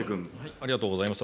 ありがとうございます。